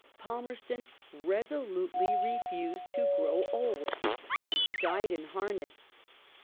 Palmerston resolutely refused to grow old, and he died in harness.